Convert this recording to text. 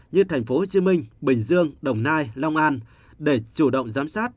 như thành phố hồ chí minh bình dương đồng nai long an để chủ động giám sát